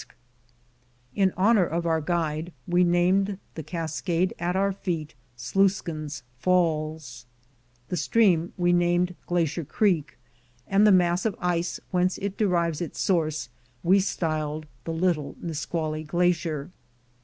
MOUNT RAINIER In honor of our guide we named the cascade at our feet Sluiskin's Falls; the stream we named Glacier Creek, and the mass of ice whence it derives its source we styled the Little Nisqually Glacier.